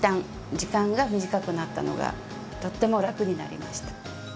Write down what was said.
時間が短くなったのがとってもラクになりました。